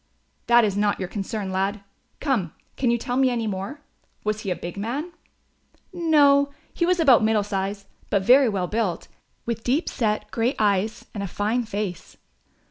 "That is not your concern, lad; come, can you tell me any more? Was he a big man?" "No, he was about middle size; but very well built, with deep set grey eyes and a fine face."